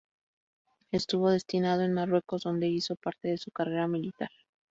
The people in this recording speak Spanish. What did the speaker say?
Estuvo destinado en Marruecos, donde hizo parte de su carrera militar.